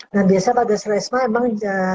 nah biasa pada selesma emang